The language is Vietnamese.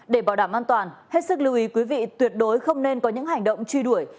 để bảo đảm an toàn hết sức lưu ý quý vị tuyệt đối không nên có những hành động truy đuổi